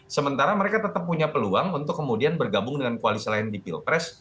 sementara mereka tetap punya peluang untuk kemudian bergabung dengan koalisi lain di pilpres